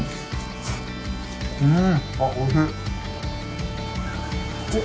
うん！